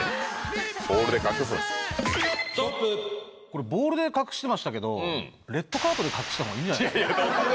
・これボールで隠してましたけどレッドカードで隠したほうがいいんじゃないすか？